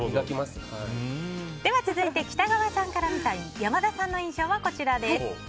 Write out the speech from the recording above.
続いて、北川さんから見た山田さんの印象はこちらです。